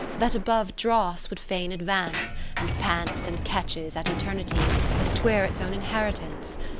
That above dross would fain advance, And pants and catches at Eternity, As 'twere its own inheritance.